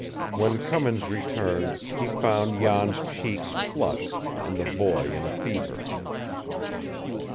When Cummins returned, he found Jan's cheeks flushed and the boy in a fever.